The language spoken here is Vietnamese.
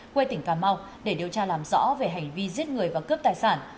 quê tỉnh phàm âu để điều tra làm rõ về hành vi giết người và cướp tài sản